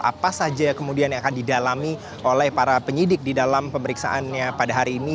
apa saja kemudian yang akan didalami oleh para penyidik di dalam pemeriksaannya pada hari ini